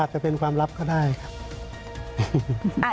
อาจจะเป็นความลับก็ได้ค่ะ